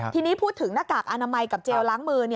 ทีนี้พูดถึงหน้ากากอนามัยกับเจลล้างมือ